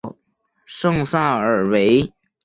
圣萨尔维。